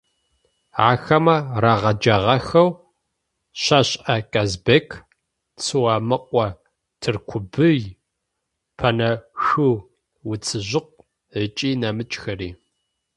Ахэмэ рагъэджагъэхэу ЩэшӀэ Казбек, Цуамыкъо Тыркубый, Пэнэшъу Уцужьыкъу ыкӏи нэмыкӏхэри.